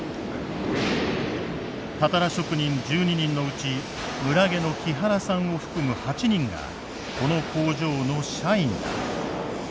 たたら職人１２人のうち村下の木原さんを含む８人がこの工場の社員だ。